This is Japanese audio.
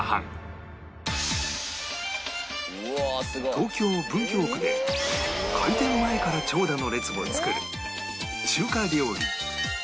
東京文京区で開店前から長蛇の列を作る